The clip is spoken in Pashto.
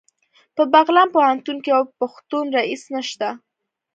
په بغلان پوهنتون کې یو پښتون رییس نشته